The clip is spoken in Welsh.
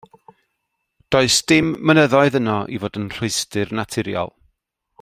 Does dim mynyddoedd yno i fod yn rhwystr naturiol.